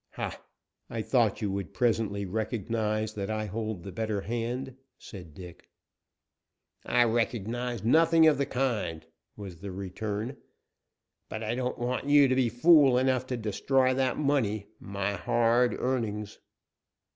"Ha! I thought you would presently recognize that I hold the better hand," said Dick. "I recognize nothing of the kind," was the return, "but I don't want you to be fool enough to destroy that money my hard earnings."